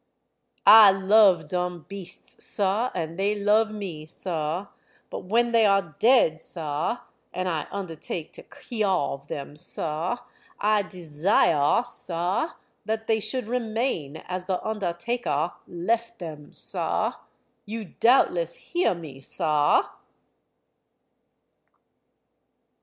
"I love dumb beasts, sah, and they love me, sah; but when they are dead, sah, and I undertake to kearve them, sah, I desiah, sah, that they should remain as the undertakah left them, sah. You doubtless heah me, sah!"